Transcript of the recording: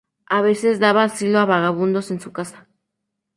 A veces daba asilo a vagabundos en su casa.